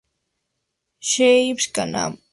Seiji Kawakami